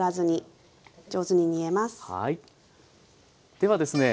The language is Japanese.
ではですね